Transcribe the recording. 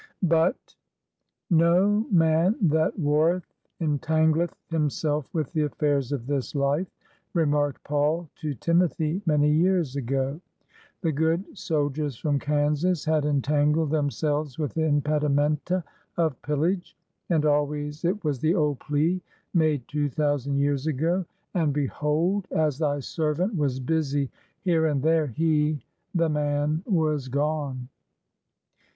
But— No man that warreth entangleth himself with the affairs of this life," remarked Paul to Timothy many years ago. The good soldiers from Kansas had entangled themselves with the impedimenta of pillage, and always it was the old plea made two thousand years ago, And behold, ... as thy servant was busy here and there, he [the man] was gone."